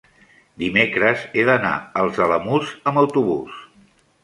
dimecres he d'anar als Alamús amb autobús.